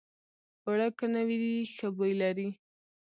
اوړه که نوي وي، ښه بوی لري